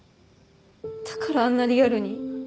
だからあんなリアルに？